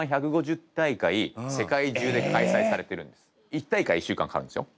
１大会１週間かかるんですよ。